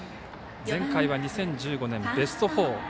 前回は２０１５年、ベスト４。